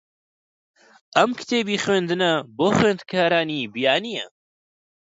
ئەم کتێبی خوێندنە بۆ خوێندکارانی بیانییە.